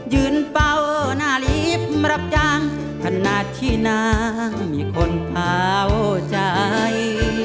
ยืนเป้านาลีฟรับจางคนร้านที่นางมีคนเผาใจ